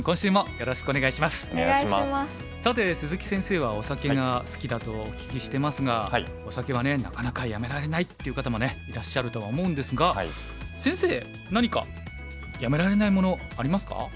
さて鈴木先生はお酒が好きだとお聞きしてますがお酒はねなかなかやめられないっていう方もいらっしゃるとは思うんですが先生何かやめられないものありますか？